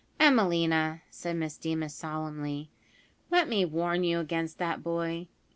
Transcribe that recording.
"Emelina," said Miss Deemas solemnly, "let me warn you against that boy.